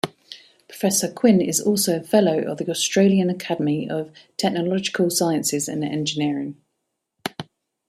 Professor Quinn is also a Fellow of Australian Academy of Technological Sciences and Engineering.